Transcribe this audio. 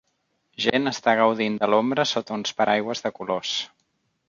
Gent està gaudint de l'ombra sota uns paraigües de colors.